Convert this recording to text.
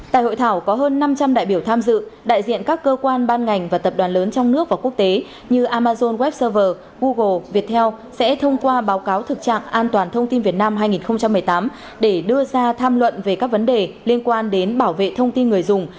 tại hội thảo có hơn năm trăm linh đại biểu tham dự đại diện các cơ quan ban ngành và tập đoàn lớn trong nước và quốc tế như amazon westerver google viettel sẽ thông qua báo cáo thực trạng an toàn thông tin việt nam hai nghìn một mươi tám để đưa ra tham luận về các vấn đề liên quan đến bảo vệ thông tin người dùng